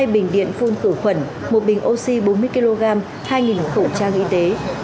hai mươi bình điện phun khử khuẩn một bình oxy bốn mươi kg hai khẩu trang y tế